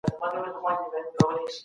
ولسي جرګه تل نوې تګلارې څېړي.